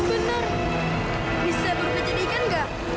benar bisa berubah jadi ikan nggak